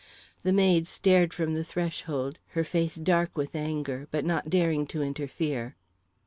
The maid stared from the threshold, her face dark with anger, but not daring to interfere.